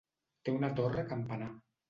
Té una torre campanar.